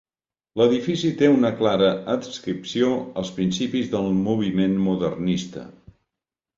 L'edifici té una clara adscripció als principis del moviment modernista.